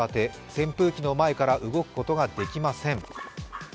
扇風機の前から動くことができません。